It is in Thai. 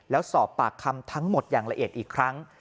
แล้วสอบปากคำทั้งหมดอย่างละเอียดอีกครั้ง